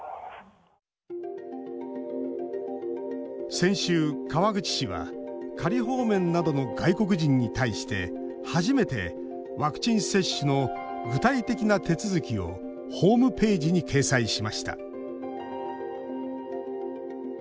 先週、川口市は仮放免などの外国人に対して初めてワクチン接種の具体的な手続きをホームページに掲載しました。